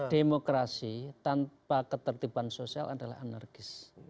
demokrasi tanpa ketertiban sosial adalah anarkis